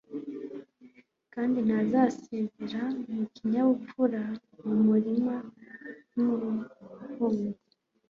kandi ntazasezera mu kinyabupfura mu murima wumubumbyi